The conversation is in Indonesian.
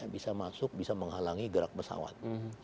bisa masuk bisa menghalangi gerak pesawat